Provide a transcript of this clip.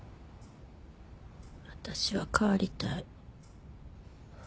私は変わりたい。